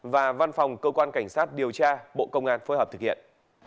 và văn phòng cơ quan cảnh sát điều tra bộ công an phối hợp thực hiện